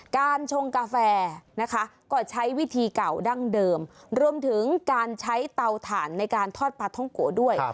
ชงกาแฟนะคะก็ใช้วิธีเก่าดั้งเดิมรวมถึงการใช้เตาถ่านในการทอดปลาท่องโกะด้วย